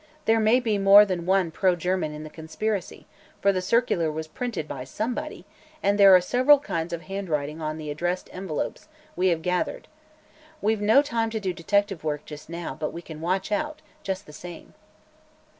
There may be more than one pro German in the conspiracy, for the circular was printed by somebody, and there are several kinds of handwriting on the addressed envelopes we have gathered. We've no time to do detective work, just now, but we can watch out, just the same."